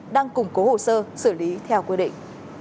đang củng cố hồ sơ xử lý theo quy định